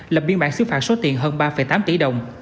lập biên bản xứ phạt số tiền hơn ba tám tỷ đồng